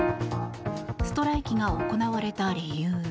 ストライキが行われた理由